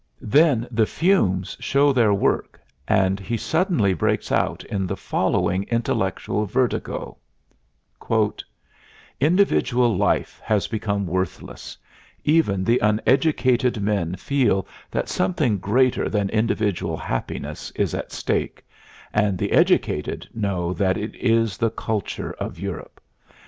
Then the fumes show their work and he suddenly breaks out in the following intellectual vertigo: "Individual life has become worthless; even the uneducated men feel that something greater than individual happiness is at stake, and the educated know that it is the culture of Europe.